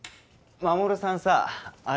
衛さんさあれ